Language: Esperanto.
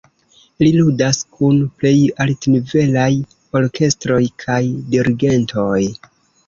Li ludas kun plej altnivelaj orkestroj kaj dirigentoj.